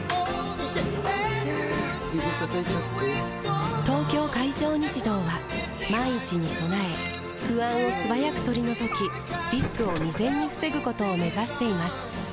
指たたいちゃって・・・「東京海上日動」は万一に備え不安を素早く取り除きリスクを未然に防ぐことを目指しています